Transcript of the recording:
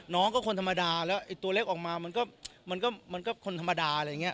น้องก็คนธรรมดาแล้วไอ้ตัวเล็กออกมามันก็มันก็คนธรรมดาอะไรอย่างนี้